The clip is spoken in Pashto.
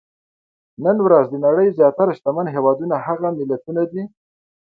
نن ورځ د نړۍ زیاتره شتمن هېوادونه هغه ملتونه دي.